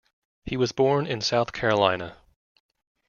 He was born in South Carolina.